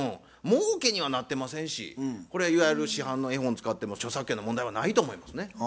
もうけにはなってませんしこれいわゆる市販の絵本使っても著作権の問題はないと思いますね。